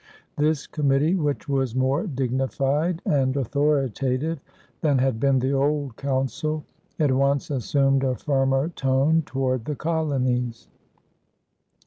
This committee, which was more dignified and authoritative than had been the old council, at once assumed a firmer tone toward the colonies.